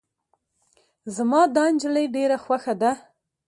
زما دا نجلی ډیره خوښه ده.